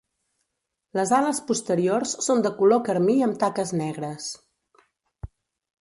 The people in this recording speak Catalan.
Les ales posteriors són de color carmí amb taques negres.